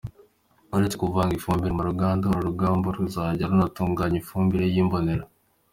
Uretse kuvanga ifumbire mvaruganda, uru ruganda ruzajya runatunganya ifumbire y’imborera.